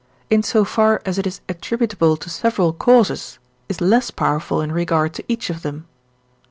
in so far as it is attributable to several causes, is less powerful in regard to each of them.